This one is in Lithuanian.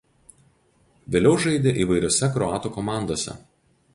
Vėliau žaidė įvairiose kroatų komandose.